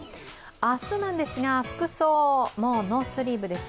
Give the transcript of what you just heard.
明日ですが、服装、もうノースリーブです。